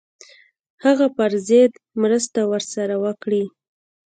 هغه پر ضد مرسته ورسره وکړي.